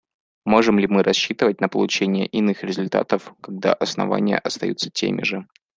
Можем ли мы рассчитывать на получение иных результатов, когда основания остаются теми же?